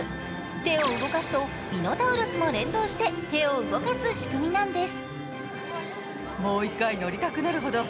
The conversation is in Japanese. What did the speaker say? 手を動かすとミノタウロスも連動して手を動かす仕組みなんです。